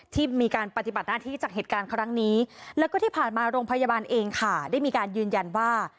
ที่มีการปฏิบัติหน้าที่จากเหตุการณ์ครั้งนี้แล้วก็ที่ผ่านมาโรงพยาบาลเองค่ะได้มีการยืนยันว่า